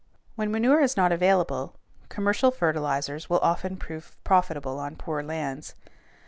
When manure is not available, commercial fertilizers will often prove profitable on poor lands.